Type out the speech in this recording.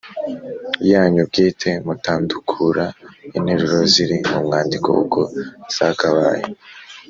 yanyu bwite mutandukura interuro ziri mu mwandiko uko zakabaye